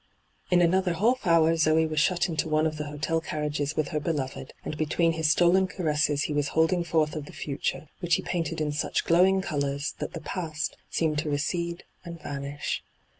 In another half hour Zoe was shut into one of the hotel carriages with her beloved, and between his stolen car^ses he was holding forth of the future, which he painted in such glowing colours that the past seemed to recede and vanish.